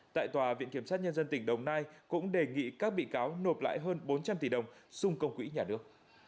tại tòa viện kiểm sát nhân dân tỉnh đồng nai cũng đề nghị các bị cáo nộp lại hơn bốn trăm linh tỷ đồng xung công quỹ nhà nước